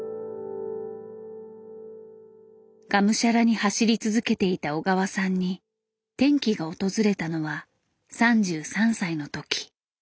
がむしゃらに走り続けていた小川さんに転機が訪れたのは３３歳の時。